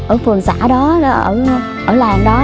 ở phường xã đó ở làng đó